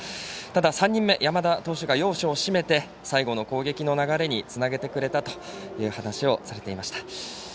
ただ、３人目山田投手が要所を締めて最後の攻撃の流れにつなげてくれたという話をされていました。